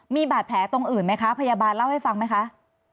มีบาดแผลตรงอื่นไหมคะพยาบาลเล่าให้ฟังไหมคะ